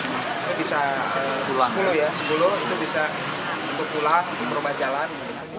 itu bisa pulang itu bisa berpulang itu berubah jalan